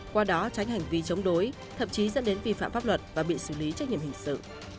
qua đó tránh hành vi chống đối thậm chí dẫn đến vi phạm pháp luật và bị xử lý trách nhiệm hình sự